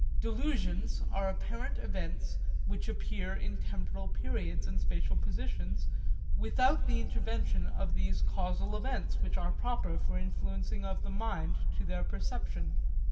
Delusions are apparent events which appear in temporal periods and spatial positions without the intervention of these causal events which are proper for influencing of the mind to their perception.